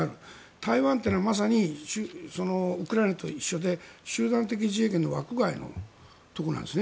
台湾というのはまさにウクライナと一緒で集団的自衛権の枠外のところなんですね。